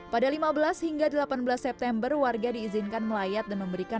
pada lima belas hingga delapan belas september warga diizinkan melayat dan memberikan